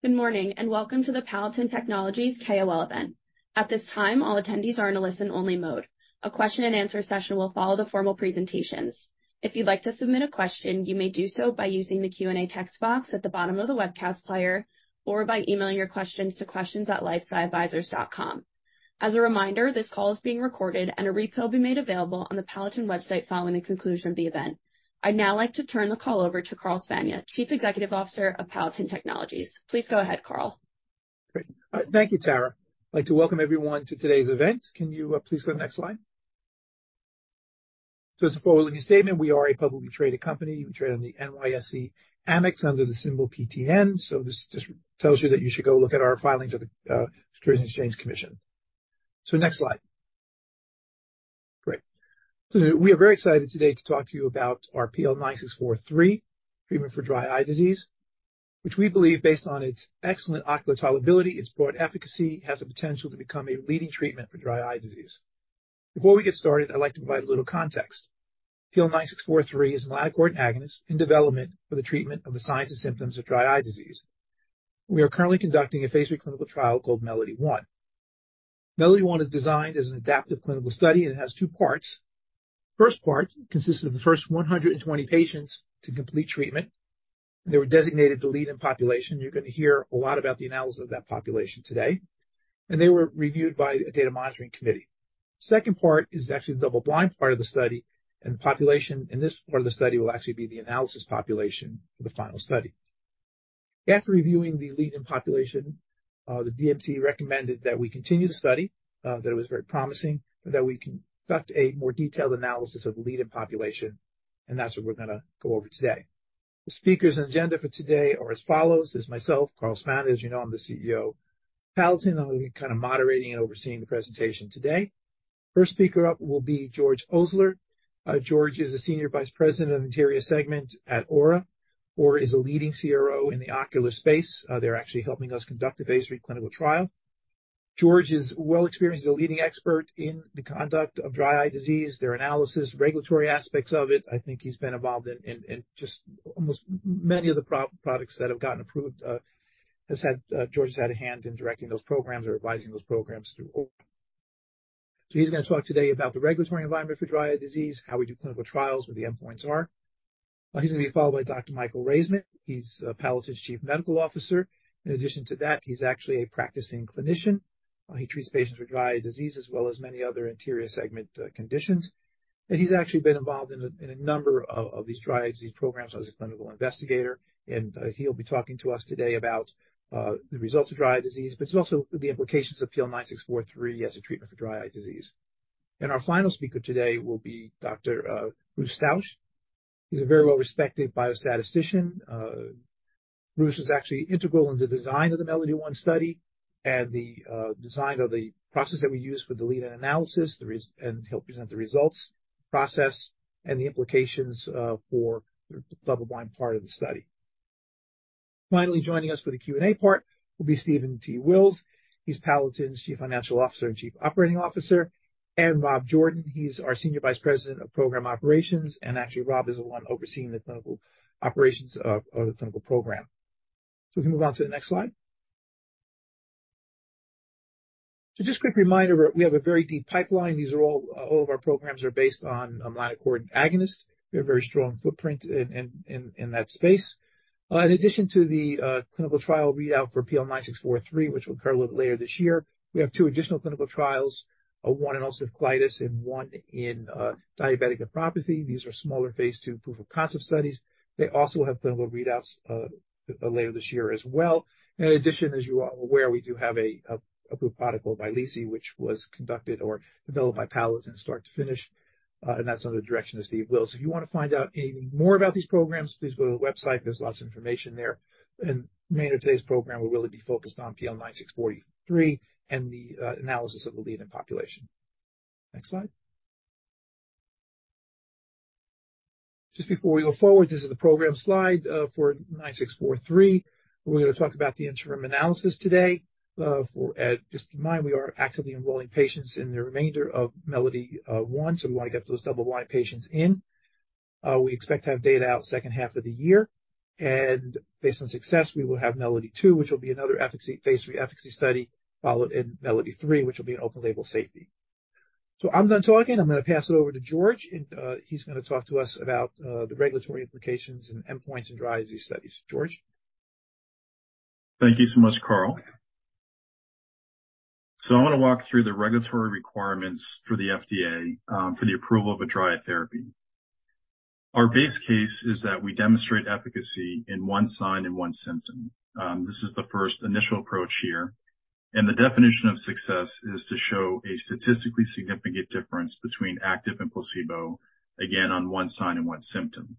Good morning, welcome to the Palatin Technologies KOL event. At this time, all attendees are in a listen-only mode. A question and answer session will follow the formal presentations. If you'd like to submit a question, you may do so by using the Q&A text box at the bottom of the webcast player or by emailing your questions to questions@lifesciadvisors.com. As a reminder, this call is being recorded, and a replay will be made available on the Palatin website following the conclusion of the event. I'd now like to turn the call over to Carl Spana, Chief Executive Officer of Palatin Technologies. Please go ahead, Carl. Great. Thank you, Tara. I'd like to welcome everyone to today's event. Can you please go to next slide? As a forward-looking statement, we are a publicly traded company. We trade on the NYSE Amex under the symbol PTN. This just tells you that you should go look at our filings at the Securities and Exchange Commission. Next slide. Great. We are very excited today to talk to you about our PL9643 treatment for dry eye disease, which we believe, based on its excellent ocular tolerability, its broad efficacy, has the potential to become a leading treatment for dry eye disease. Before we get started, I'd like to provide a little context. PL9643 is a melanocortin agonist in development for the treatment of the signs and symptoms of dry eye disease. We are currently conducting a phase III clinical trial called MELODY-1. MELODY-1 is designed as an adaptive clinical study and has two parts. First part consists of the first 120 patients to complete treatment. They were designated the lead-in population. You're going to hear a lot about the analysis of that population today. They were reviewed by a data monitoring committee. Second part is actually the double-blind part of the study. The population in this part of the study will actually be the analysis population for the final study. After reviewing the lead-in population, the DMC recommended that we continue the study, that it was very promising, and that we conduct a more detailed analysis of the lead-in population. That's what we're going to go over today. The speakers and agenda for today are as follows. There's myself, Carl Spana. As you know, I'm the CEO of Palatin. I'll be kind of moderating and overseeing the presentation today. First speaker up will be George Ousler. George is a Senior Vice President of Anterior Segment at Ora. Ora is a leading CRO in the ocular space. They're actually helping us conduct the Phase III clinical trial. George is well experienced, a leading expert in the conduct of dry eye disease, their analysis, regulatory aspects of it. I think he's been involved in just almost many of the pro-products that have gotten approved, George has had a hand in directing those programs or advising those programs through Ora. He's going to talk today about the regulatory environment for dry eye disease, how we do clinical trials, what the endpoints are. He's going to be followed by Dr. Michael Raizman. He's Palatin's Chief Medical Officer. In addition to that, he's actually a practicing clinician. He treats patients with dry eye disease as well as many other Anterior Segment conditions. He's actually been involved in a number of these dry eye disease programs as a clinical investigator. He'll be talking to us today about the results of dry eye disease, but it's also the implications of PL9643 as a treatment for dry eye disease. Our final speaker today will be Dr. Bruce Stouch. He's a very well-respected biostatistician. Bruce was actually integral in the design of the MELODY-1 study and the design of the process that we use for the lead-in analysis. He'll present the results, process, and the implications for the double-blind part of the study. Finally joining us for the Q&A part will be Steven T. Wills. He's Palatin's chief financial officer and chief operating officer. Robert Jordan, he's our Senior Vice President of Program Operations. Actually, Rob is the one overseeing the clinical operations of the clinical program. We can move on to the next slide. Just a quick reminder, we have a very deep pipeline. These are all of our programs are based on melanocortin agonist. We have a very strong footprint in that space. In addition to the clinical trial readout for PL9643, which will occur a little bit later this year, we have 2 additional clinical trials, one in ulcerative colitis and one in diabetic nephropathy. These are smaller phase II proof of concept studies. They also have clinical readouts later this year as well. In addition, as you are aware, we do have a approved product called VYLEESI, which was conducted or developed by Palatin start to finish, and that's under the direction of Steven T. Wills. If you want to find out anything more about these programs, please go to the website. There's lots of information there. The main of today's program will really be focused on PL9643 and the analysis of the lead-in population. Next slide. Just before we go forward, this is the program slide for 9643. We're going to talk about the interim analysis today. Just keep in mind, we are actively enrolling patients in the remainder of MELODY-1, we want to get those double-blind patients in. We expect to have data out second half of the year. Based on success, we will have MELODY-2, which will be another phase III efficacy study, followed in MELODY-3, which will be an open label safety. I'm done talking. I'm going to pass it over to George, he's going to talk to us about the regulatory implications and endpoints in dry eye disease studies. George. Thank you so much, Carl. I want to walk through the regulatory requirements for the FDA for the approval of a dry eye therapy. Our base case is that we demonstrate efficacy in 1 sign and 1 symptom. This is the first initial approach here. The definition of success is to show a statistically significant difference between active and placebo, again, on 1 sign and 1 symptom.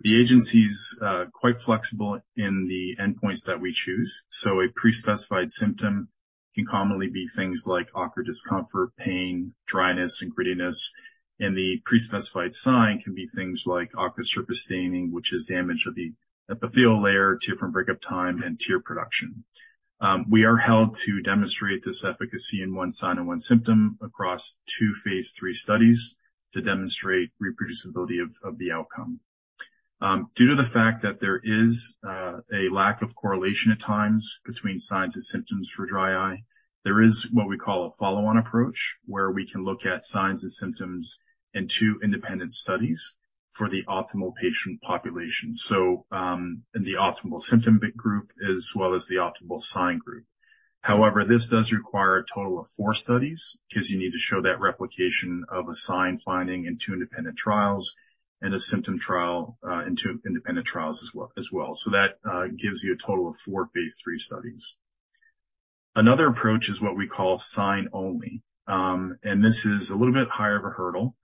The agency's quite flexible in the endpoints that we choose. A pre-specified symptom can commonly be things like ocular discomfort, pain, dryness, and grittiness. The pre-specified sign can be things like ocular surface staining, which is damage of the epithelial layer, tear film break-up time, and tear production. We are held to demonstrate this efficacy in 1 sign and 1 symptom across 2 phase III studies to demonstrate reproducibility of the outcome. due to the fact that there is a lack of correlation at times between signs and symptoms for dry eye, there is what we call a follow-on approach, where we can look at signs and symptoms in two independent studies for the optimal patient population. In the optimal symptom-based group as well as the optimal sign group. However, this does require a total of four studies 'cause you need to show that replication of a sign finding in two independent trials and a symptom trial, in two independent trials as well. gives you a total of four Phase III studies. Another approach is what we call sign-only. And this is a little bit higher of a hurdle,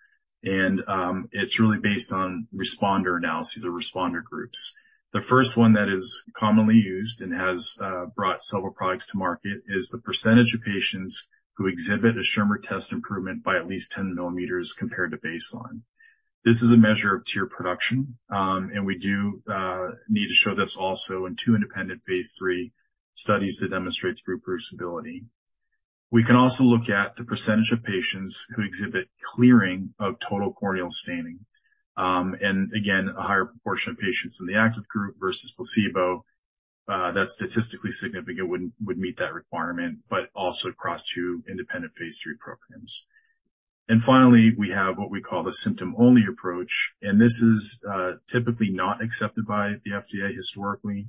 and it's really based on responder analyses or responder groups. The first one that is commonly used and has brought several products to market is the percentage of patients who exhibit a Schirmer test improvement by at least 10 millimeters compared to baseline. This is a measure of tear production. We do need to show this also in two independent phase III studies to demonstrate the reproducibility. We can also look at the percentage of patients who exhibit clearing of total corneal staining. Again, a higher proportion of patients in the active group versus placebo, that's statistically significant would meet that requirement, but also across two independent phase III programs. Finally, we have what we call the symptom-only approach, and this is typically not accepted by the FDA historically.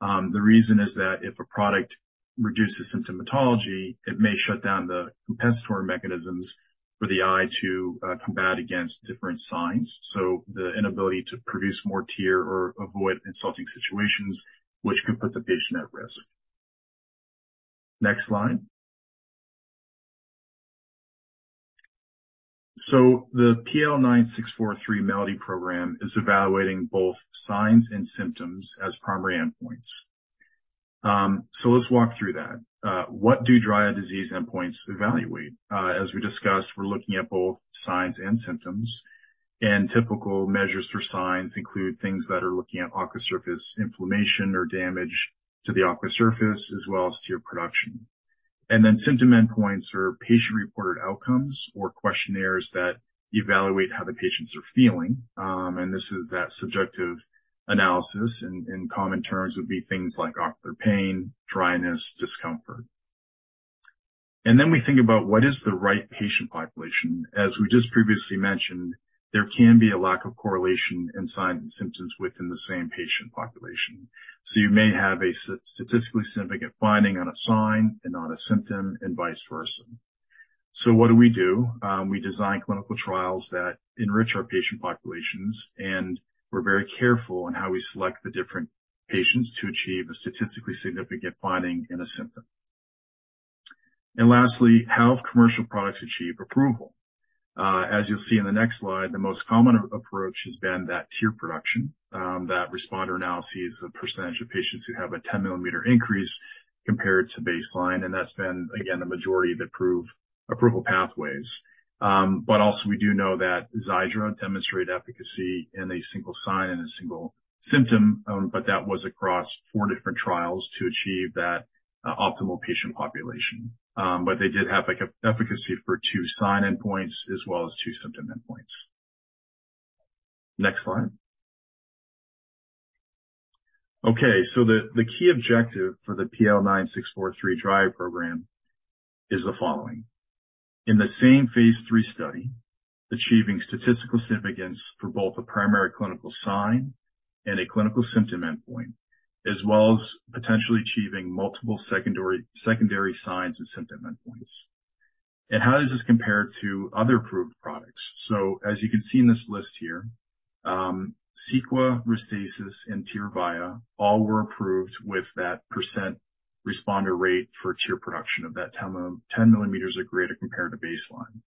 The reason is that if a product reduces symptomatology, it may shut down the compensatory mechanisms for the eye to combat against different signs. The inability to produce more tear or avoid insulting situations which could put the patient at risk. Next slide. The PL9643 MELODY program is evaluating both signs and symptoms as primary endpoints. Let's walk through that. What do dry eye disease endpoints evaluate? As we discussed, we're looking at both signs and symptoms, and typical measures for signs include things that are looking at ocular surface inflammation or damage to the ocular surface as well as tear production. Then symptom endpoints are patient-reported outcomes or questionnaires that evaluate how the patients are feeling. This is that subjective analysis in common terms would be things like ocular pain, dryness, discomfort. We think about what is the right patient population. As we just previously mentioned, there can be a lack of correlation in signs and symptoms within the same patient population. You may have a statistically significant finding on a sign and not a symptom, and vice versa. What do we do? We design clinical trials that enrich our patient populations, and we're very careful in how we select the different patients to achieve a statistically significant finding in a symptom. Lastly, how have commercial products achieved approval? As you'll see in the next slide, the most common approach has been that tear production, that responder analysis, the percentage of patients who have a 10-millimeter increase compared to baseline, and that's been, again, the majority of approved approval pathways. We do know that Xiidra demonstrated efficacy in a single sign and a single symptom, that was across 4 different trials to achieve that optimal patient population. They did have efficacy for two sign endpoints as well as two symptom endpoints. Next slide. The key objective for the PL9643 dry eye program is the following. In the same phase III study, achieving statistical significance for both a primary clinical sign and a clinical symptom endpoint, as well as potentially achieving multiple secondary signs and symptom endpoints. How does this compare to other approved products? As you can see in this list here, Cequa, Restasis, and Tyrvaya all were approved with that % responder rate for tear production of that 10 millimeters or greater compared to baseline.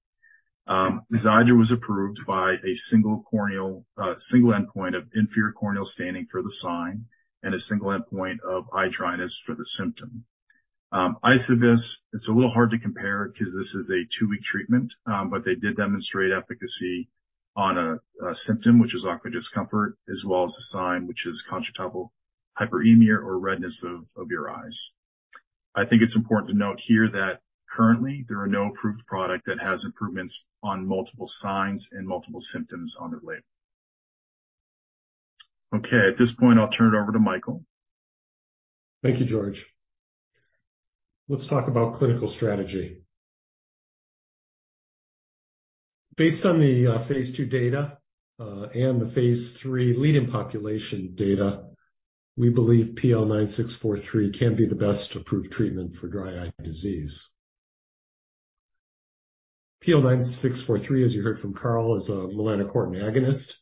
Xiidra was approved by a 1 corneal, 1 endpoint of inferior corneal staining for the sign and a 1 endpoint of eye dryness for the symptom. Ikervis, it's a little hard to compare 'cause this is a 2-week treatment. They did demonstrate efficacy on a symptom, which is ocular discomfort, as well as a sign, which is conjunctival hyperemia or redness of your eyes. I think it's important to note here that currently there are no approved product that has improvements on multiple signs and multiple symptoms on their label. Okay, at this point, I'll turn it over to Michael. Thank you, George. Let's talk about clinical strategy. Based on the phase II data and the phase III lead-in population data, we believe PL9643 can be the best approved treatment for dry eye disease. PL9643, as you heard from Carl, is a melanocortin agonist.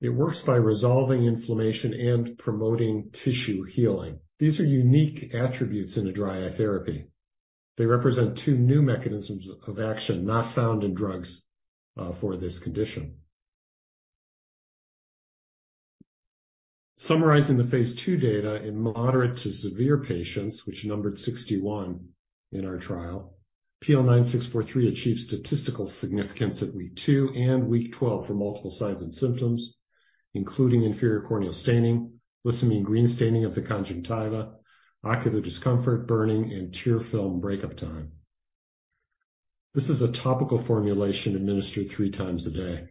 It works by resolving inflammation and promoting tissue healing. These are unique attributes in a dry eye therapy. They represent two new mechanisms of action not found in drugs for this condition. Summarizing the phase II data in moderate to severe patients, which numbered 61 in our trial, PL9643 achieved statistical significance at week 2 and week 12 for multiple signs and symptoms, including inferior corneal staining, Lissamine green staining of the conjunctiva, ocular discomfort, burning, and tear film break-up time. This is a topical formulation administered 3 times a day.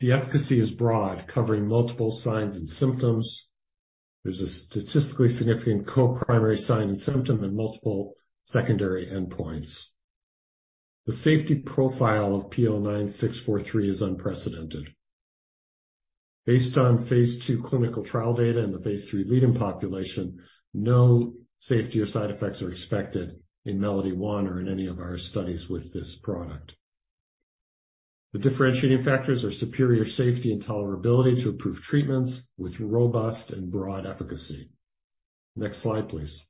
The efficacy is broad, covering multiple signs and symptoms. There's a statistically significant co-primary sign and symptom in multiple secondary endpoints. The safety profile of PL9643 is unprecedented. Based on phase II clinical trial data and the phase III lead-in population, no safety or side effects are expected in MELODY-1 or in any of our studies with this product. The differentiating factors are superior safety and tolerability to approved treatments with robust and broad efficacy. Next slide, please.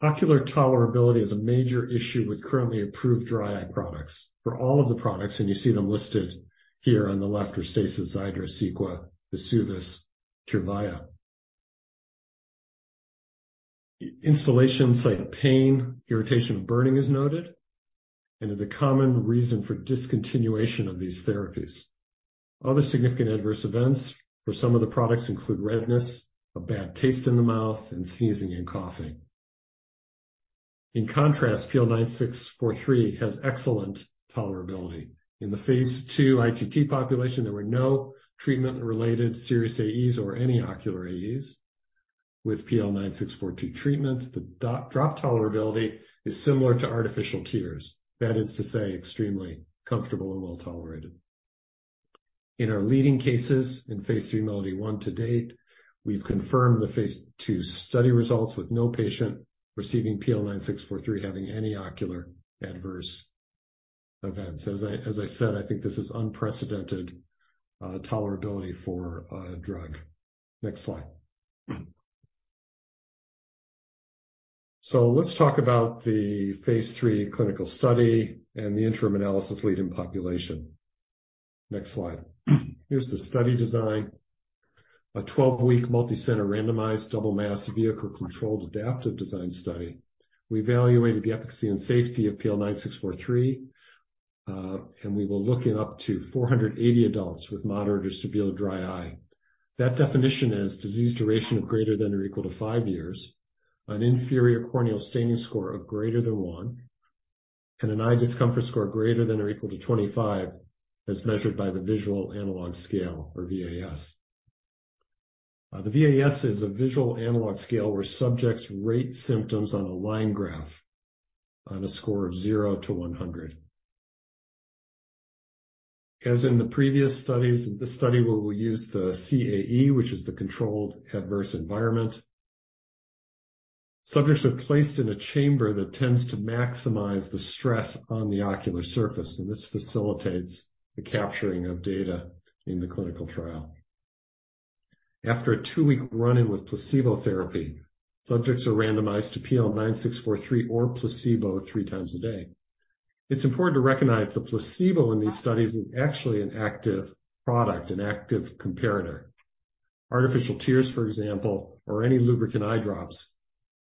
Ocular tolerability is a major issue with currently approved dry eye products for all of the products. You see them listed here on the left: Restasis, Xiidra, Cequa, EYSUVIS, Tyrvaya. Installation site pain, irritation, and burning is noted and is a common reason for discontinuation of these therapies. Other significant adverse events for some of the products include redness, a bad taste in the mouth, and sneezing and coughing. In contrast, PL9643 has excellent tolerability. In the phase II ITT population, there were no treatment-related serious AEs or any ocular AEs. With PL9643 treatment, the do-drop tolerability is similar to artificial tears. That is to say, extremely comfortable and well-tolerated. In our leading cases in phase III MELODY-1 to date, we've confirmed the phase II study results with no patient receiving PL9643 having any ocular adverse events. As I said, I think this is unprecedented tolerability for a drug. Next slide. Let's talk about the phase III clinical study and the interim analysis lead-in population. Next slide. Here's the study design. A 12-week multi-center randomized double-masked vehicle-controlled adaptive design study. We evaluated the efficacy and safety of PL9643, and we will look in up to 480 adults with moderate or severe dry eye. That definition is disease duration of greater than or equal to 5 years, an inferior corneal staining score of greater than 1, and an eye discomfort score greater than or equal to 25 as measured by the visual analog scale or VAS. The VAS is a visual analog scale where subjects rate symptoms on a line graph on a score of 0 to 100. As in the previous studies, this study will use the CAE, which is the controlled adverse environment. Subjects are placed in a chamber that tends to maximize the stress on the ocular surface, and this facilitates the capturing of data in the clinical trial. After a two-week run-in with placebo therapy, subjects are randomized to PL9643 or placebo three times a day. It's important to recognize the placebo in these studies is actually an active product, an active comparator. Artificial tears, for example, or any lubricant eyedrops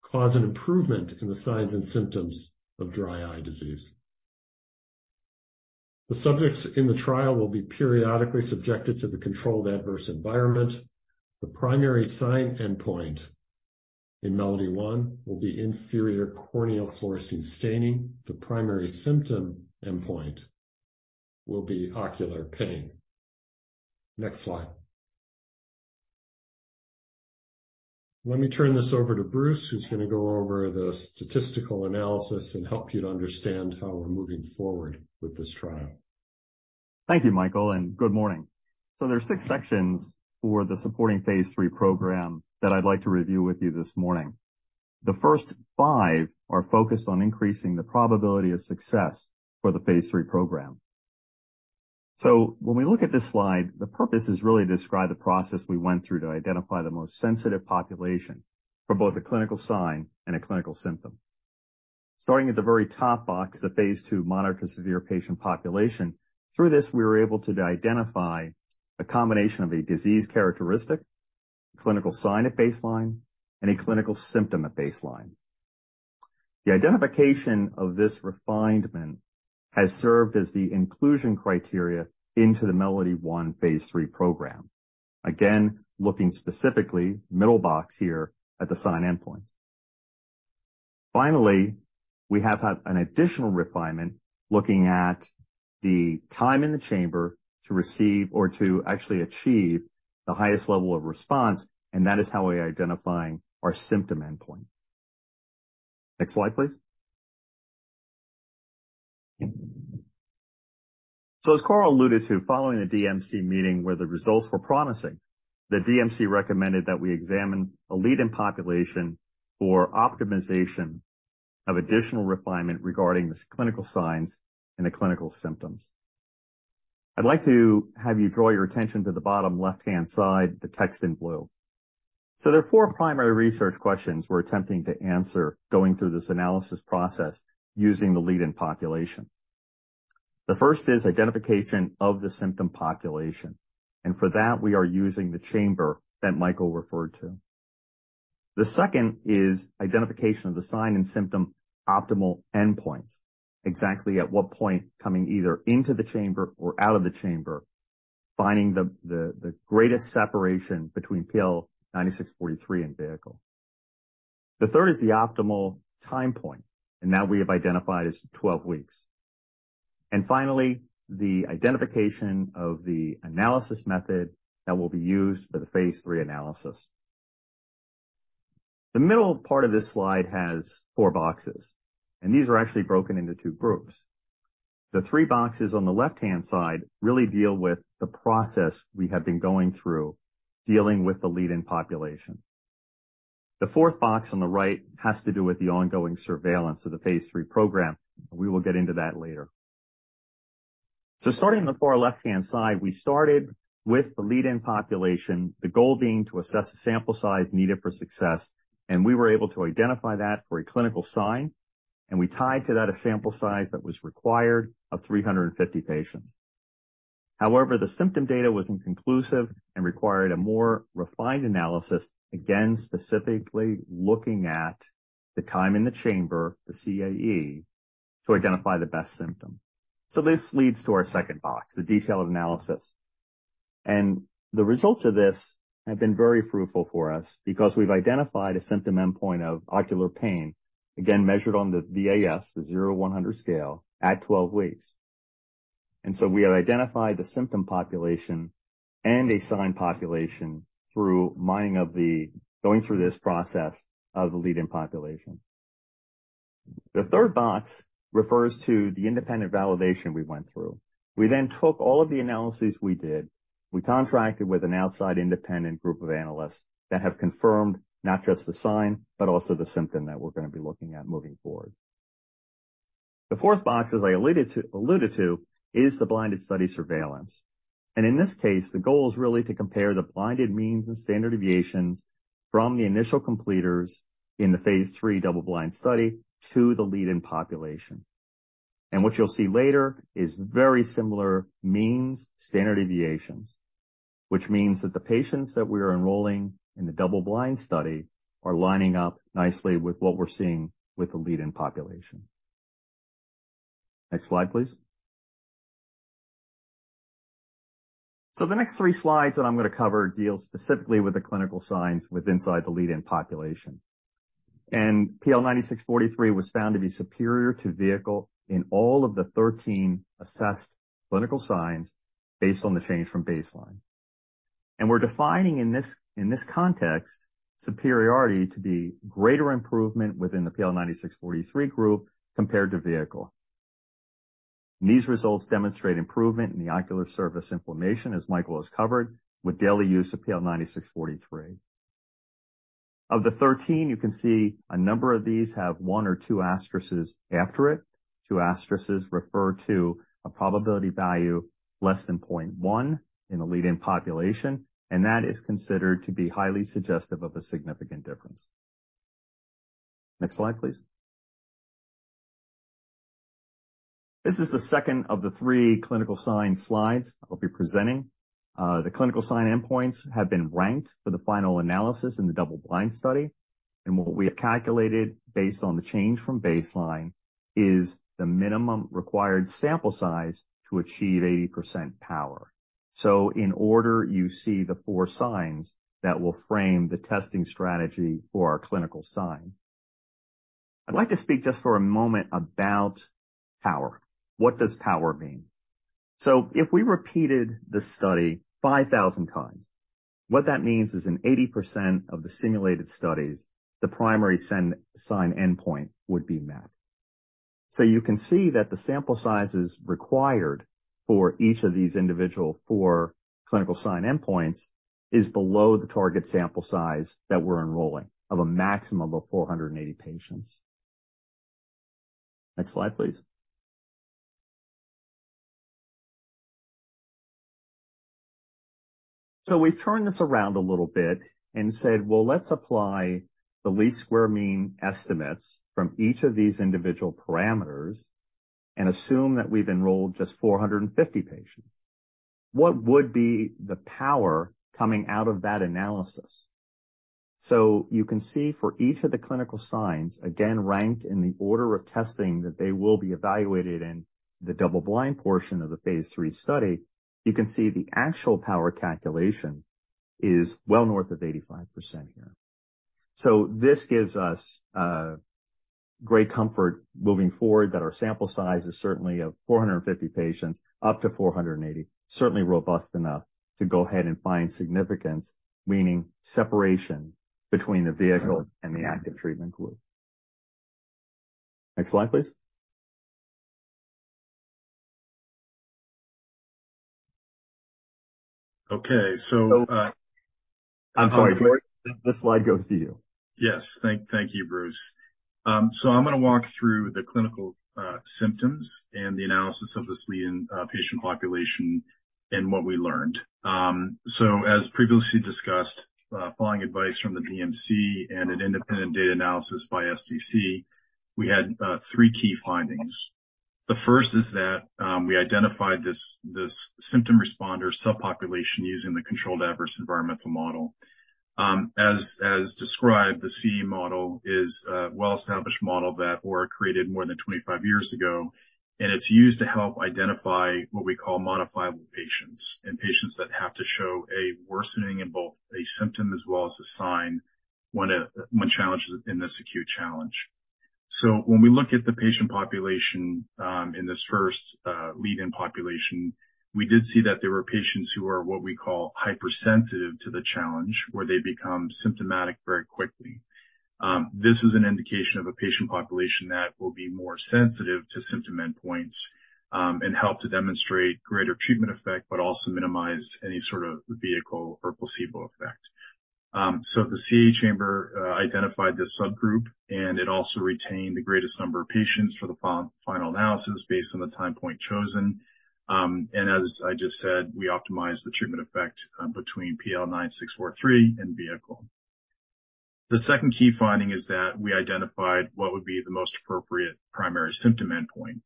cause an improvement in the signs and symptoms of dry eye disease. The subjects in the trial will be periodically subjected to the controlled adverse environment. The primary sign endpoint in MELODY-1 will be inferior corneal fluorescein staining. The primary symptom endpoint will be ocular pain. Next slide. Let me turn this over to Bruce, who's going to go over the statistical analysis and help you to understand how we're moving forward with this trial. Thank you, Michael, and good morning. There are 6 sections for the supporting phase III program that I'd like to review with you this morning. The first 5 are focused on increasing the probability of success for the phase II program. When we look at this slide, the purpose is really to describe the process we went through to identify the most sensitive population for both a clinical sign and a clinical symptom. Starting at the very top box, the phase II moderate to severe patient population. Through this, we were able to identify a combination of a disease characteristic, clinical sign at baseline, and a clinical symptom at baseline. The identification of this refinement has served as the inclusion criteria into the MELODY-1 phase III program. Again, looking specifically, middle box here, at the sign endpoint. We have had an additional refinement looking at the time in the chamber to receive or to actually achieve the highest level of response, and that is how we are identifying our symptom endpoint. Next slide, please. As Carl alluded to, following the DMC meeting where the results were promising, the DMC recommended that we examine a lead-in population for optimization of additional refinement regarding clinical signs and the clinical symptoms. I'd like to have you draw your attention to the bottom left-hand side, the text in blue. There are four primary research questions we're attempting to answer going through this analysis process using the lead-in population. The first is identification of the symptom population. For that, we are using the chamber that Michael referred to. The second is identification of the sign and symptom optimal endpoints. Exactly at what point coming either into the chamber or out of the chamber, finding the greatest separation between PL9643 and vehicle. The third is the optimal time point, and that we have identified as 12 weeks. Finally, the identification of the analysis method that will be used for the phase III analysis. The middle part of this slide has 4 boxes, and these are actually broken into 2 groups. The 3 boxes on the left-hand side really deal with the process we have been going through dealing with the lead-in population. The 4th box on the right has to do with the ongoing surveillance of the phase III program. We will get into that later. Starting on the far left-hand side, we started with the lead-in population, the goal being to assess the sample size needed for success, and we were able to identify that for a clinical sign, and we tied to that a sample size that was required of 350 patients. However, the symptom data was inconclusive and required a more refined analysis, again, specifically looking at the time in the chamber, the CAE, to identify the best symptom. The results of this have been very fruitful for us because we've identified a symptom endpoint of ocular pain, again, measured on the VAS, the 0 to 100 scale at 12 weeks. We have identified the symptom population and a sign population through mining of going through this process of the lead-in population. The third box refers to the independent validation we went through. We then took all of the analyses we did. We contracted with an outside independent group of analysts that have confirmed not just the sign, but also the symptom that we're going to be looking at moving forward. The fourth box, as I alluded to, is the blinded study surveillance. In this case, the goal is really to compare the blinded means and standard deviations from the initial completers in the phase III double-blind study to the lead-in population. What you'll see later is very similar means standard deviations, which means that the patients that we are enrolling in the double-blind study are lining up nicely with what we're seeing with the lead-in population. Next slide, please. The next three slides that I'm going to cover deal specifically with the clinical signs with inside the lead-in population. PL9643 was found to be superior to vehicle in all of the 13 assessed clinical signs based on the change from baseline. We're defining in this context, superiority to be greater improvement within the PL9643 group compared to vehicle. These results demonstrate improvement in the ocular surface inflammation, as Michael has covered, with daily use of PL9643. Of the 13, you can see a number of these have 1 or 2 asterisks after it. 2 asterisks refer to a probability value less than 0.1 in the lead-in population, and that is considered to be highly suggestive of a significant difference. Next slide, please. This is the second of the three clinical sign slides I'll be presenting. The clinical sign endpoints have been ranked for the final analysis in the double blind study. What we have calculated based on the change from baseline is the minimum required sample size to achieve 80% power. In order, you see the four signs that will frame the testing strategy for our clinical signs. I'd like to speak just for a moment about power. What does power mean? If we repeated this study 5,000 times, what that means is in 80% of the simulated studies, the primary sign endpoint would be met. You can see that the sample sizes required for each of these individual four clinical sign endpoints is below the target sample size that we're enrolling of a maximum of 480 patients. Next slide, please. We've turned this around a little bit and said, well, let's apply the least square mean estimates from each of these individual parameters and assume that we've enrolled just 450 patients. What would be the power coming out of that analysis? You can see for each of the clinical signs, again ranked in the order of testing that they will be evaluated in the double blind portion of the phase III study. You can see the actual power calculation is well north of 85% here. This gives us great comfort moving forward that our sample size is certainly of 450 patients up to 480, certainly robust enough to go ahead and find significance, meaning separation between the vehicle and the active treatment group. Next slide, please. Okay, I'm sorry, George, this slide goes to you. Yes. Thank you, Bruce. I'm going to walk through the clinical symptoms and the analysis of this lead-in patient population and what we learned. As previously discussed, following advice from the DMC and an independent data analysis by SDC, we had 3 key findings. The first is that we identified this symptom responder subpopulation using the controlled adverse environmental model. As described, the CAE model is a well-established model that were created more than 25 years ago, and it's used to help identify what we call modifiable patients and patients that have to show a worsening in both a symptom as well as a sign when challenged in this acute challenge. When we look at the patient population, in this first, lead-in population, we did see that there were patients who are what we call hypersensitive to the challenge, where they become symptomatic very quickly. This is an indication of a patient population that will be more sensitive to symptom endpoints, and help to demonstrate greater treatment effect, but also minimize any sort of vehicle or placebo effect. The CAE chamber identified this subgroup, and it also retained the greatest number of patients for the final analysis based on the time point chosen. As I just said, we optimized the treatment effect, between PL9643 and vehicle. The second key finding is that we identified what would be the most appropriate primary symptom endpoint,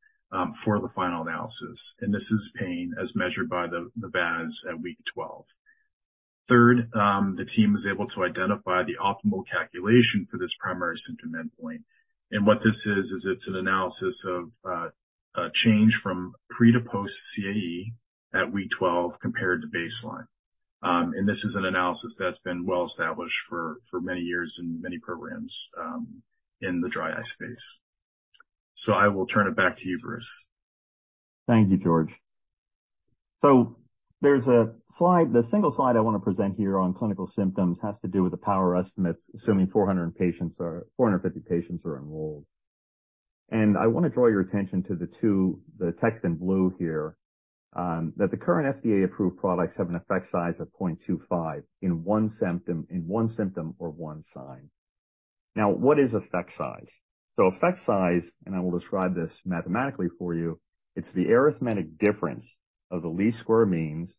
for the final analysis. This is pain as measured by the VAS at week 12. Third, the team was able to identify the optimal calculation for this primary symptom endpoint. What this is it's an analysis of a change from pre to post CAE at week 12 compared to baseline. This is an analysis that's been well-established for many years in many programs in the dry eye space. I will turn it back to you, Bruce. Thank you, George. There's a slide, the single slide I want to present here on clinical symptoms has to do with the power estimates, assuming 450 patients are enrolled. I want to draw your attention to the text in blue here, that the current FDA-approved products have an effect size of 0.25 in one symptom or one sign. What is effect size? Effect size, and I will describe this mathematically for you, it's the arithmetic difference of the least squares means,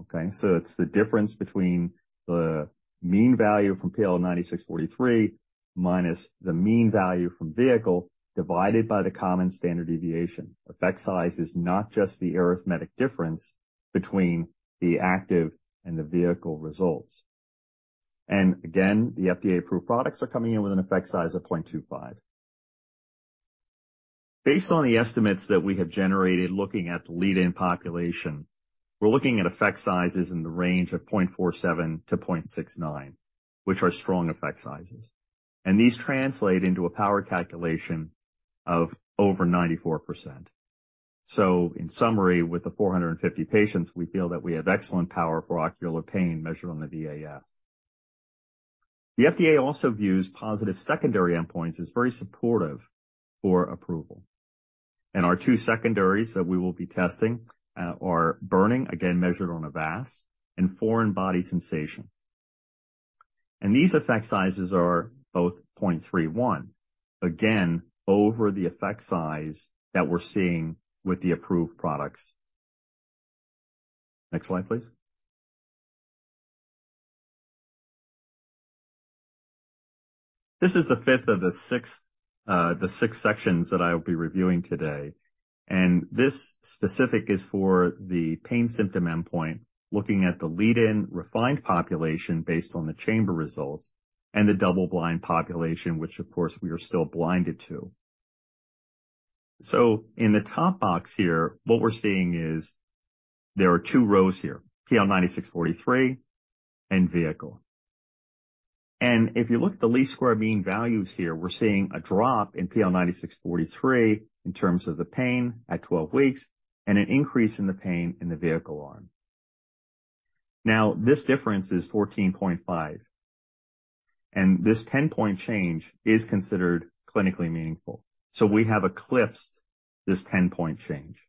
okay? It's the difference between the mean value from PL9643 minus the mean value from vehicle divided by the common standard deviation. Effect size is not just the arithmetic difference between the active and the vehicle results. Again, the FDA-approved products are coming in with an effect size of 0.25. Based on the estimates that we have generated looking at the lead-in population, we're looking at effect sizes in the range of 0.47 to 0.69, which are strong effect sizes. These translate into a power calculation of over 94%. In summary, with the 450 patients, we feel that we have excellent power for ocular pain measured on the VAS. The FDA also views positive secondary endpoints as very supportive for approval. Our two secondaries that we will be testing are burning, again, measured on a VAS, and foreign body sensation. These effect sizes are both 0.31. Again, over the effect size that we're seeing with the approved products. Next slide, please. This is the fifth of the six sections that I will be reviewing today. This specific is for the pain symptom endpoint, looking at the lead-in refined population based on the chamber results and the double-blind population, which of course we are still blinded to. In the top box here, what we're seeing is there are two rows here, PL9643 and vehicle. If you look at the least squares means values here, we're seeing a drop in PL9643 in terms of the pain at 12 weeks and an increase in the pain in the vehicle arm. Now, this difference is 14.5, and this 10-point change is considered clinically meaningful. We have eclipsed this 10-point change.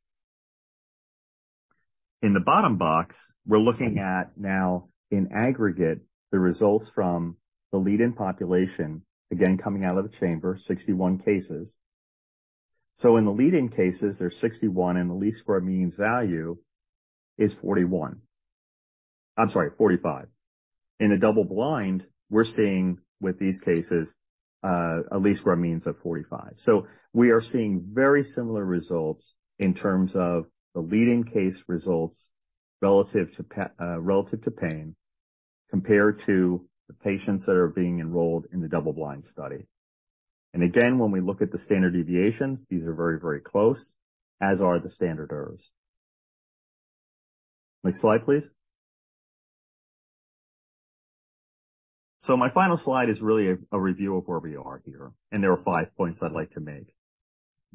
In the bottom box, we're looking at now in aggregate, the results from the lead-in population, again, coming out of the chamber, 61 cases. In the lead-in cases, there's 61, and the least squares means value is 41. I'm sorry, 45. In a double blind, we're seeing with these cases, a least squares means of 45. We are seeing very similar results in terms of the lead-in case results relative to pain compared to the patients that are being enrolled in the double-blind study. Again, when we look at the standard deviations, these are very close, as are the standard errors. Next slide, please. My final slide is really a review of where we are here. There are five points I'd like to make.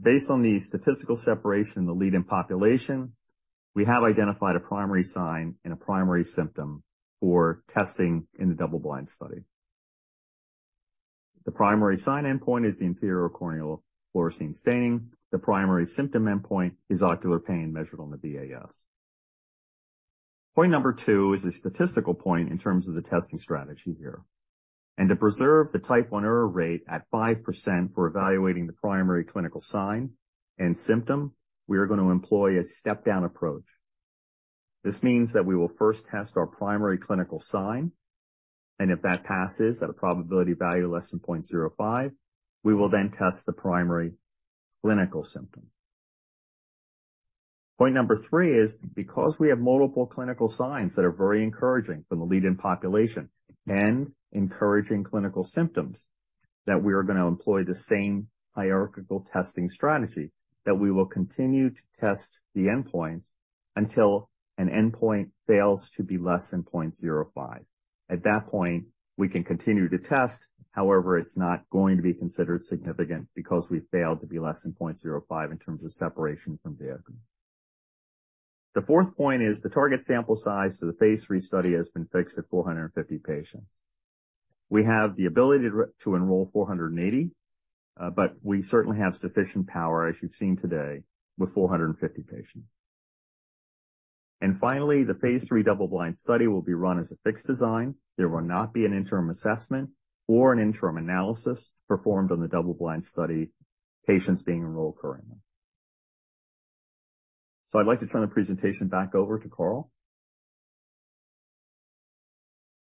Based on the statistical separation in the lead-in population, we have identified a primary sign and a primary symptom for testing in the double-blind study. The primary sign endpoint is the inferior corneal fluorescein staining. The primary symptom endpoint is ocular pain measured on the VAS. Point number two is a statistical point in terms of the testing strategy here. To preserve the Type I error rate at 5% for evaluating the primary clinical sign and symptom, we are going to employ a step-down approach. This means that we will first test our primary clinical sign, and if that passes at a probability value less than 0.05, we will then test the primary clinical symptom. Point number three is because we have multiple clinical signs that are very encouraging from the lead-in population and encouraging clinical symptoms, that we are going to employ the same hierarchical testing strategy. We will continue to test the endpoints until an endpoint fails to be less than 0.05. At that point, we can continue to test. However, it's not going to be considered significant because we failed to be less than 0.05 in terms of separation from vehicle. The 4th point is the target sample size for the phase III study has been fixed at 450 patients. We have the ability to enroll 480, but we certainly have sufficient power, as you've seen today, with 450 patients. Finally, the phase III double-blind study will be run as a fixed design. There will not be an interim assessment or an interim analysis performed on the double blind study patients being enrolled currently. I'd like to turn the presentation back over to Carl.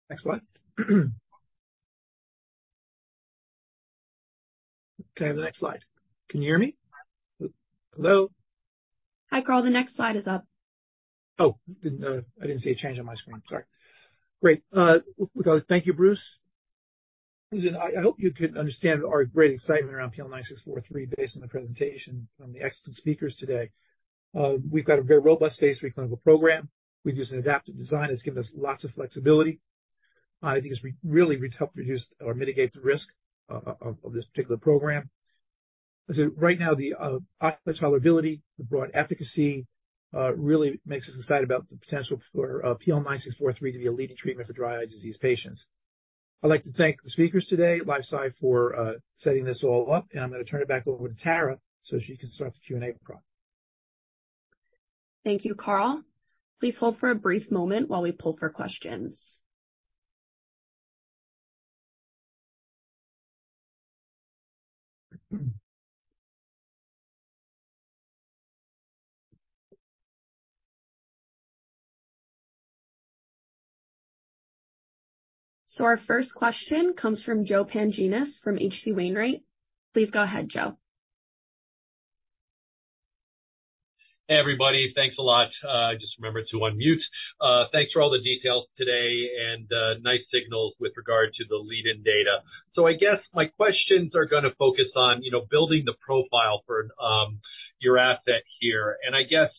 Next slide. Can I have the next slide? Can you hear me? Hello? Hi, Carl. The next slide is up. I didn't see a change on my screen. Sorry. Great. Thank you, Bruce. Listen, I hope you could understand our great excitement around PL9643 based on the presentation from the excellent speakers today. We've got a very robust phase III clinical program. We've used an adaptive design that's given us lots of flexibility. I think it's really helped reduce or mitigate the risk of this particular program. Right now the ocular tolerability, the broad efficacy, really makes us excited about the potential for PL9643 to be a leading treatment for dry eye disease patients. I'd like to thank the speakers today, LifeSci for setting this all up, and I'm going to turn it back over to Tara so she can start the Q&A prompt. Thank you, Carl. Please hold for a brief moment while we pull for questions. Our first question comes from Joseph Pantginis from H.C. Wainwright. Please go ahead, Joe. Hey, everybody. Thanks a lot. just remembered to unmute. thanks for all the details today and nice signals with regard to the lead-in data. I guess my questions are going to focus on, you know, building the profile for your asset here. I guess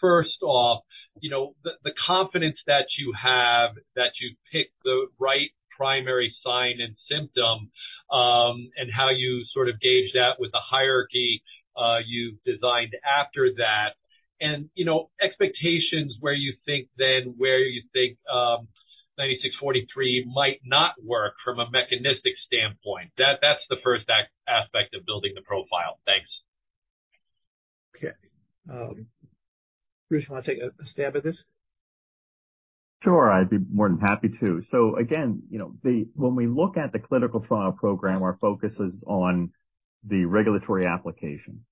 first off, you know, the confidence that you have that you picked the right primary sign and symptom, and how you sort of gauge that with the hierarchy you've designed after that. You know, expectations where you think then where you think PL9643 might not work from a mechanistic standpoint. That, that's the first aspect of building the profile. Thanks. Okay. Bruce, you want to take a stab at this? Sure. I'd be more than happy to. Again, you know, when we look at the clinical trial program, our focus is on the regulatory application,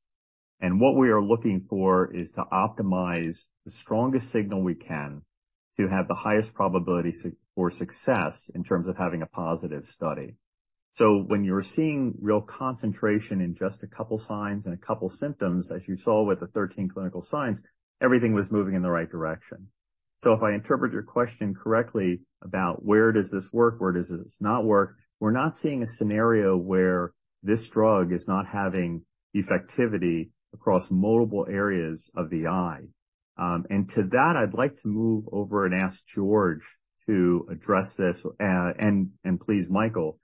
and what we are looking for is to optimize the strongest signal we can to have the highest probability for success in terms of having a positive study. When you're seeing real concentration in just a couple signs and a couple symptoms, as you saw with the 13 clinical signs, everything was moving in the right direction. If I interpret your question correctly about where does this work, where does this not work? We're not seeing a scenario where this drug is not having effectivity across multiple areas of the eye. To that, I'd like to move over and ask George to address this, and please Michael,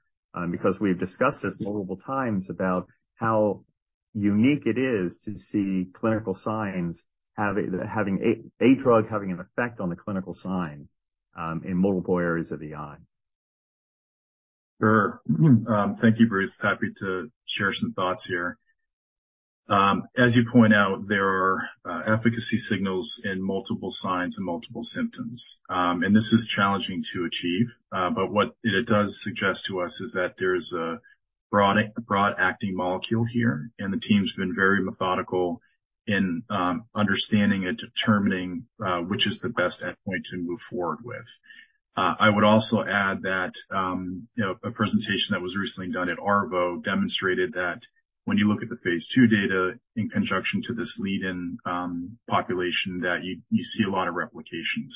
because we've discussed this multiple times about how unique it is to see clinical signs having a drug having an effect on the clinical signs, in multiple areas of the eye. Sure. Thank you, Bruce. Happy to share some thoughts here. As you point out, there are efficacy signals in multiple signs and multiple symptoms. This is challenging to achieve. What it does suggest to us is that there's a broad acting molecule here. The team's been very methodical in understanding and determining which is the best endpoint to move forward with. I would also add that, you know, a presentation that was recently done at ARVO demonstrated that when you look at the phase II data in conjunction to this lead-in population, that you see a lot of replication.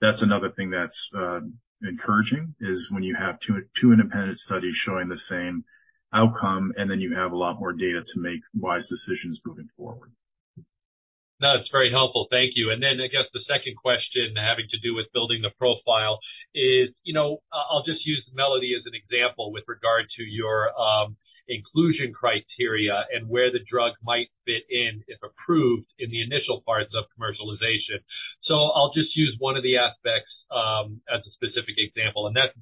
That's another thing that's encouraging is when you have two independent studies showing the same outcome, and then you have a lot more data to make wise decisions moving forward. No, that's very helpful. Thank you. I guess the second question having to do with building the profile is, you know, I'll just use Melody as an example with regard to your inclusion criteria and where the drug might fit in if approved in the initial parts of commercialization. I'll just use one of the aspects as a specific example, and that's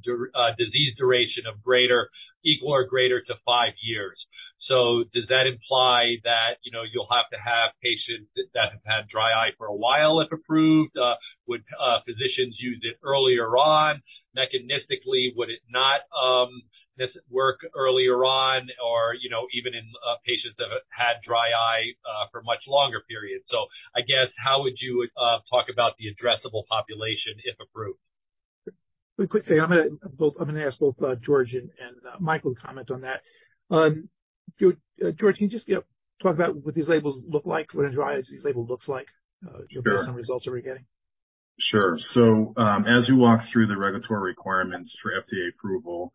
disease duration of greater, equal or greater to 5 years. Does that imply that, you know, you'll have to have patients that have had dry eye for a while if approved? Would physicians use it earlier on? Mechanistically, would it not This work earlier on or, you know, even in patients that have had dry eye for much longer periods. I guess how would you talk about the addressable population if approved? Real quick, say, I'm gonna ask both George and Michael to comment on that. George, can you just, yeah, talk about what these labels look like, what a dry eye these label looks like? Sure. just some results that we're getting. Sure. As we walk through the regulatory requirements for FDA approval,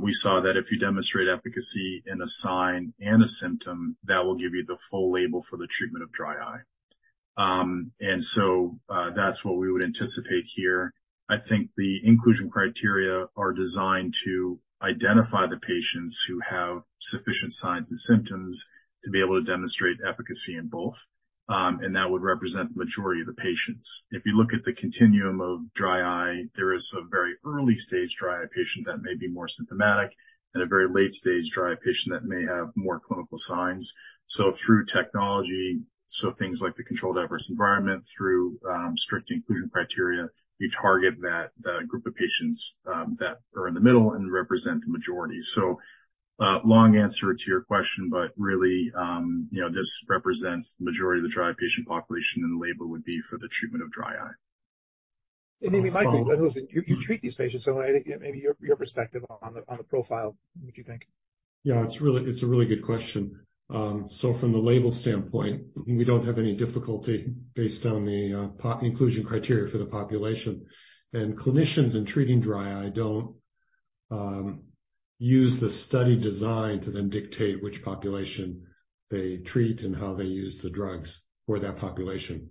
we saw that if you demonstrate efficacy in a sign and a symptom, that will give you the full label for the treatment of dry eye. That's what we would anticipate here. I think the inclusion criteria are designed to identify the patients who have sufficient signs and symptoms to be able to demonstrate efficacy in both. That would represent the majority of the patients. If you look at the continuum of dry eye, there is a very early-stage dry eye patient that may be more symptomatic and a very late-stage dry eye patient that may have more clinical signs. Through technology, so things like the controlled adverse environment, through strict inclusion criteria, you target that group of patients that are in the middle and represent the majority. Long answer to your question, but really, you know, this represents the majority of the dry eye patient population, and the label would be for the treatment of dry eye. Maybe, Michael, you treat these patients, so I think maybe your perspective on the profile, what do you think? Yeah, it's a really good question. From the label standpoint, we don't have any difficulty based on the inclusion criteria for the population. Clinicians in treating dry eye don't use the study design to dictate which population they treat and how they use the drugs for that population.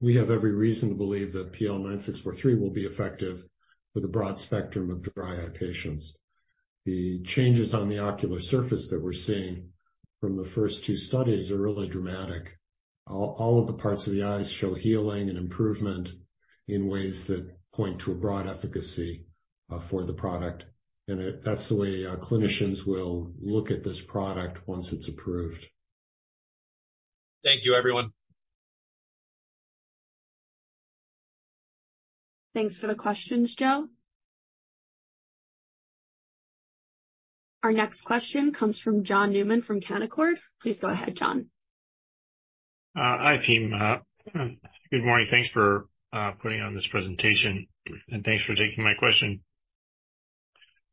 We have every reason to believe that PL9643 will be effective with a broad spectrum of dry eye patients. The changes on the ocular surface that we're seeing from the first two studies are really dramatic. All of the parts of the eyes show healing and improvement in ways that point to a broad efficacy for the product. That's the way clinicians will look at this product once it's approved. Thank you, everyone. Thanks for the questions, Joe. Our next question comes from John Newman from Canaccord. Please go ahead, John. Hi, team. Good morning. Thanks for putting on this presentation, and thanks for taking my question.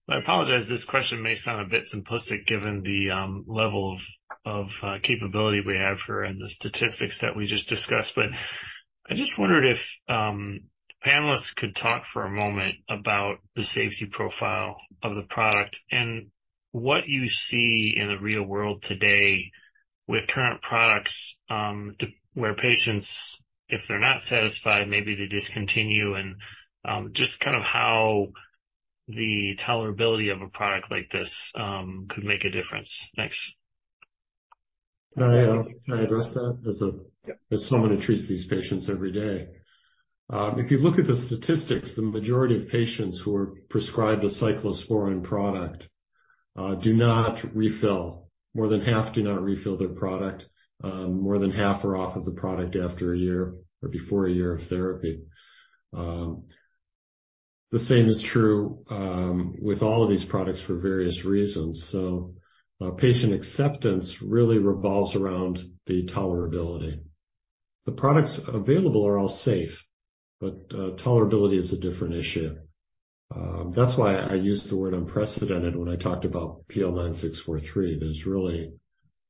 I apologize, this question may sound a bit simplistic given the level of capability we have here and the statistics that we just discussed. I just wondered if panelists could talk for a moment about the safety profile of the product and what you see in the real world today with current products to where patients, if they're not satisfied, maybe they discontinue and just kind of how the tolerability of a product like this could make a difference. Thanks. May I address that? Yeah. As someone who treats these patients every day. If you look at the statistics, the majority of patients who are prescribed a cyclosporine product do not refill. More than half do not refill their product. More than half are off of the product after a year or before a year of therapy. The same is true with all of these products for various reasons. Patient acceptance really revolves around the tolerability. The products available are all safe, but tolerability is a different issue. That's why I used the word unprecedented when I talked about PL9643. There's really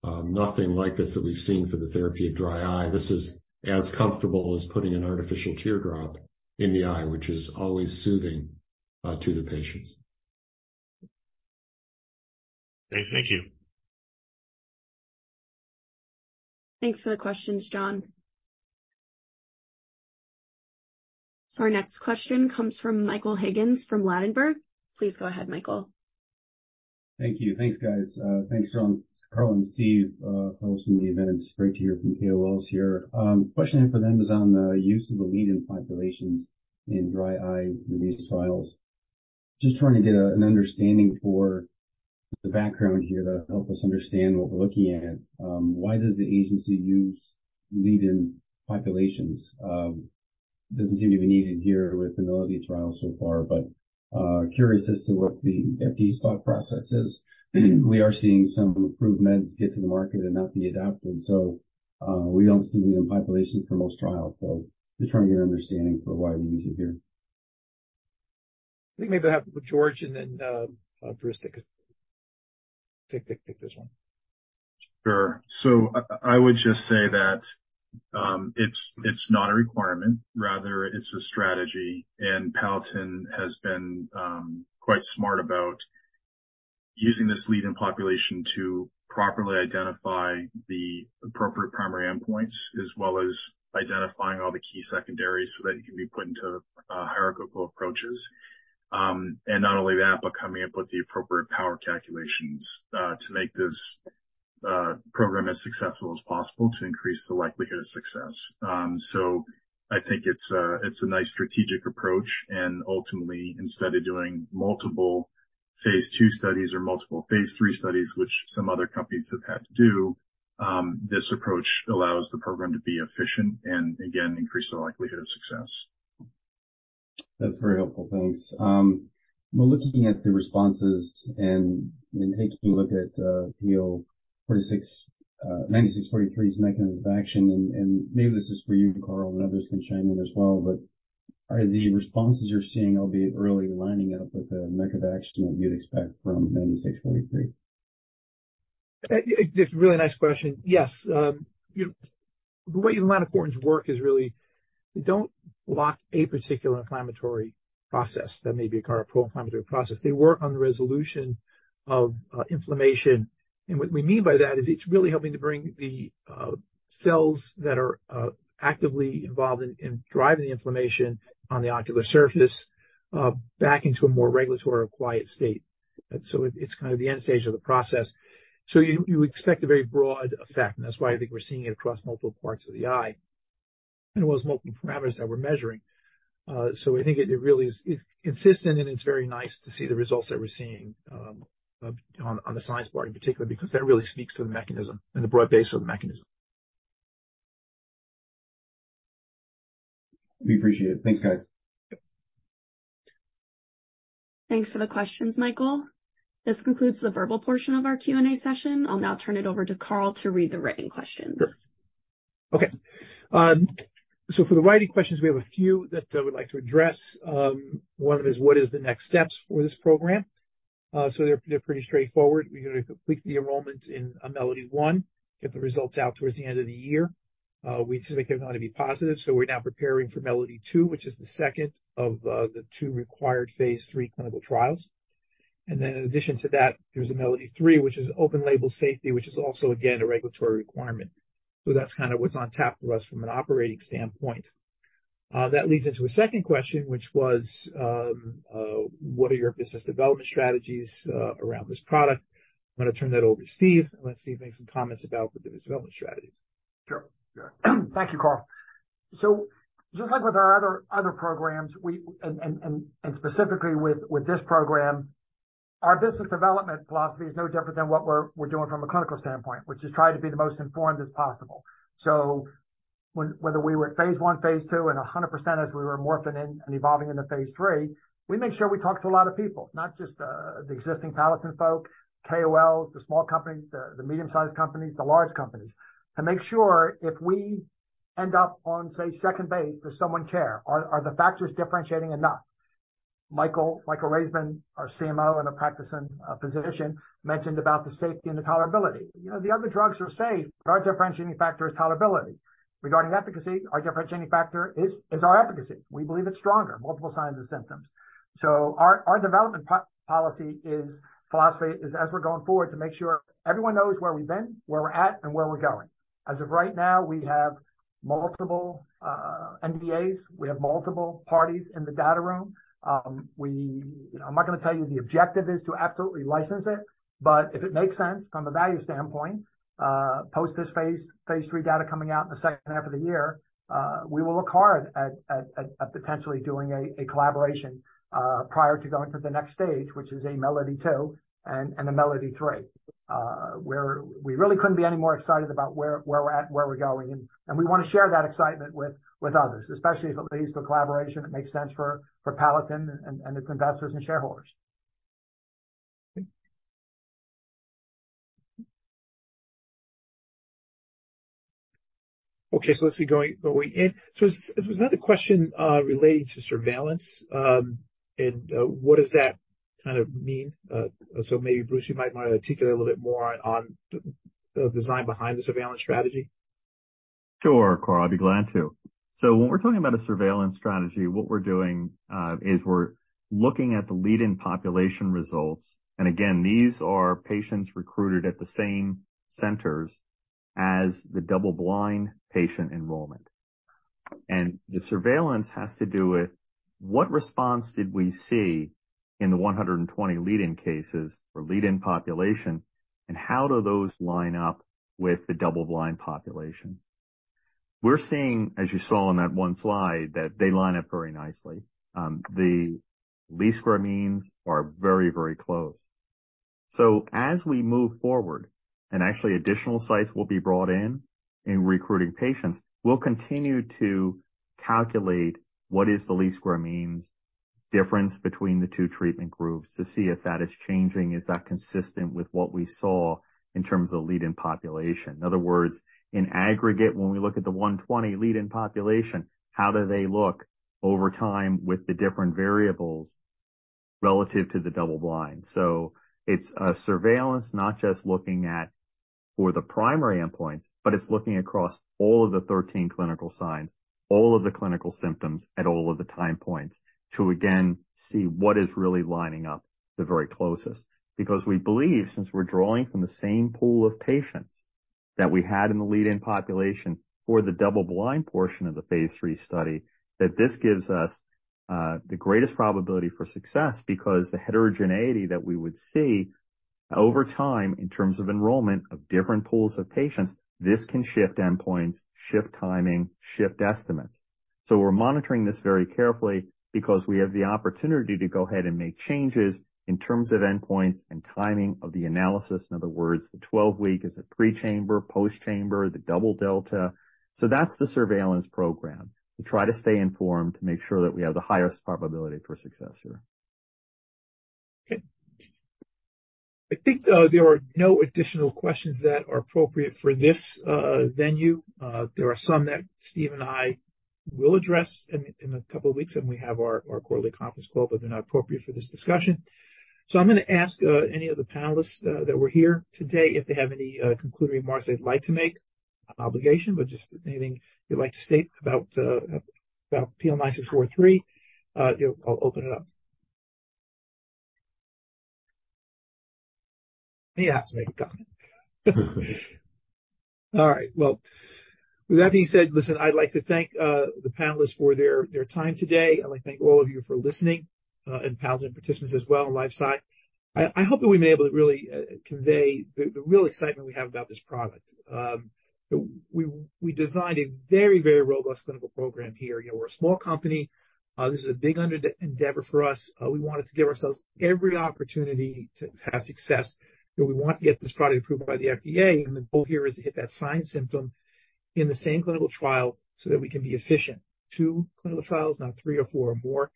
nothing like this that we've seen for the therapy of dry eye. This is as comfortable as putting an artificial tear drop in the eye, which is always soothing to the patients. Thank you. Thanks for the questions, John. Our next question comes from Michael Higgins from Ladenburg. Please go ahead, Michael. Thank you. Thanks, guys. Thanks, John, Carl, and Steven T. Wills, for hosting the event. It's great to hear from KOLs here. Question I have for them is on the use of the lead-in populations in dry eye disease trials. Just trying to get an understanding for the background here to help us understand what we're looking at. Why does the agency use lead-in populations? Doesn't seem to be needed here with the MELODY trial so far, but curious as to what the FDA's thought process is. We are seeing some approved meds get to the market and not be adapted, we don't see lead-in populations for most trials. Just trying to get an understanding for why we use it here. I think maybe I'll have George and then Bruce take this one. Sure. I would just say that, it's not a requirement, rather it's a strategy. Palatin has been quite smart about using this lead-in population to properly identify the appropriate primary endpoints as well as identifying all the key secondaries so that it can be put into a hierarchical approaches. Not only that, but coming up with the appropriate power calculations to make this program as successful as possible to increase the likelihood of success. I think it's a nice strategic approach. Ultimately, instead of doing multiple phase II studies or multiple phase III studies, which some other companies have had to do, this approach allows the program to be efficient and again, increase the likelihood of success. That's very helpful. Thanks. When looking at the responses and taking a look at PL9643's mechanism of action, and maybe this is for you, Carl Spana, and others can chime in as well. Are the responses you're seeing albeit early lining up with the mech of action that you'd expect from PL9643? It's a really nice question. Yes. You know, the way the melanocortins work is really they don't block a particular inflammatory process that may be a pro-inflammatory process. They work on the resolution of inflammation. What we mean by that is it's really helping to bring the cells that are actively involved in driving the inflammation on the ocular surface back into a more regulatory quiet state. It's kind of the end stage of the process. You expect a very broad effect, and that's why I think we're seeing it across multiple parts of the eye and was multiple parameters that we're measuring. I think it really is, it's consistent and it's very nice to see the results that we're seeing, on the science part in particular because that really speaks to the mechanism and the broad base of the mechanism. We appreciate it. Thanks, guys. Thanks for the questions, Michael. This concludes the verbal portion of our Q&A session. I'll now turn it over to Carl to read the written questions. Okay. For the writing questions, we have a few that we'd like to address. One of is, what is the next steps for this program? They're pretty straightforward. We're gonna complete the enrollment in MELODY-1, get the results out towards the end of the year. We anticipate them now to be positive, we're now preparing for MELODY-2, which is the second of the 2 required phase III clinical trials. In addition to that, there's a MELODY-3, which is open-label safety, which is also again, a regulatory requirement. That's kind of what's on tap for us from an operating standpoint. That leads into a second question, which was, what are your business development strategies around this product? I'm gonna turn that over to Steve, and let Steve make some comments about the business development strategies. Sure. Yeah. Thank you, Carl. Just like with our other programs, we and specifically with this program, our business development philosophy is no different than what we're doing from a clinical standpoint, which is try to be the most informed as possible. Whether we were phase I, phase II, and 100% as we were morphing in and evolving into phase III, we make sure we talk to a lot of people, not just the existing Palatin folk, KOLs, the small companies, the medium-sized companies, the large companies, to make sure if we end up on, say, second base does someone care? Are the factors differentiating enough? Michael Raizman, our CMO, and a practicing physician, mentioned about the safety and the tolerability. You know, the other drugs are safe. Our differentiating factor is tolerability. Regarding efficacy, our differentiating factor is our efficacy. We believe it's stronger, multiple signs and symptoms. Our development philosophy is as we're going forward to make sure everyone knows where we've been, where we're at, and where we're going. As of right now, we have multiple NDAs. We have multiple parties in the data room. I'm not gonna tell you the objective is to absolutely license it, if it makes sense from a value standpoint, post this phase III data coming out in the second half of the year, we will look hard at potentially doing a collaboration prior to going to the next stage, which is a MELODY-2 and a MELODY-3. We really couldn't be any more excited about where we're at, and where we're going and we wanna share that excitement with others, especially if it leads to a collaboration that makes sense for Palatin and its investors and shareholders. Okay. Okay, let's see going in. There was another question relating to surveillance, and what does that kind of mean? Maybe Bruce, you might want to articulate a little bit more on the design behind the surveillance strategy. Sure, Carl, I'd be glad to. When we're talking about a surveillance strategy, what we're doing, is we're looking at the lead-in population results. Again, these are patients recruited at the same centers as the double blind patient enrollment. The surveillance has to do with what response did we see in the 120 lead-in cases or lead-in population, and how do those line up with the double blind population? We're seeing, as you saw on that one slide, that they line up very nicely. The least squares means are very, very close. As we move forward, and actually additional sites will be brought in in recruiting patients, we'll continue to calculate what is the least squares means difference between the two treatment groups to see if that is changing. Is that consistent with what we saw in terms of lead-in population? In other words, in aggregate, when we look at the 120 lead-in population, how do they look over time with the different variables relative to the double blind? It's a surveillance, not just looking at for the primary endpoints, but it's looking across all of the 13 clinical signs, all of the clinical symptoms at all of the time points to again, see what is really lining up the very closest. We believe since we're drawing from the same pool of patients that we had in the lead-in population for the double blind portion of the phase III study, that this gives us the greatest probability for success because the heterogeneity that we would see over time in terms of enrollment of different pools of patients, this can shift endpoints, shift timing, shift estimates. We're monitoring this very carefully because we have the opportunity to go ahead and make changes in terms of endpoints and timing of the analysis. In other words, the 12-week is a pre-chamber, post-chamber, the delta delta. That's the surveillance program. We try to stay informed to make sure that we have the highest probability for success here. Okay. I think, there are no additional questions that are appropriate for this venue. There are some that Steve and I will address in a couple of weeks when we have our quarterly conference call, they're not appropriate for this discussion. I'm gonna ask any of the panelists that were here today if they have any concluding remarks they'd like to make. Not an obligation, just anything you'd like to state about PL9643, you know, I'll open it up. He has to make a comment. All right. With that being said, listen, I'd like to thank the panelists for their time today. I'd like to thank all of you for listening, Palatin participants as well on LifeSci Advisors. I hope that we may able to really convey the real excitement we have about this product. We designed a very, very robust clinical program here. You know, we're a small company. This is a big endeavor for us. We wanted to give ourselves every opportunity to have success, and we want to get this product approved by the FDA. The goal here is to hit that sign symptom in the same clinical trial so that we can be efficient. 2 clinical trials, not 3 or 4 or more.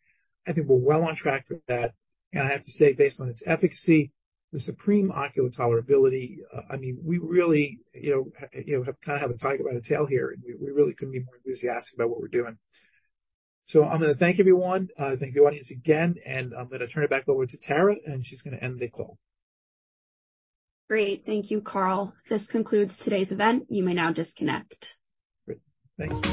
I think we're well on track for that. I have to say, based on its efficacy, the supreme ocular tolerability, I mean, we really, you know, kind of have a tiger by the tail here, and we really couldn't be more enthusiastic about what we're doing. I'm gonna thank everyone. thank the audience again, and I'm gonna turn it back over to Tara, and she's gonna end the call. Great. Thank you, Carl. This concludes today's event. You may now disconnect. Great. Thank you.